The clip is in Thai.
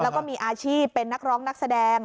แล้วก็มีอาชีพเป็นนักร้องนักแสดง